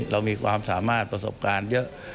เรามีความสามารถประสบการณ์เยอะ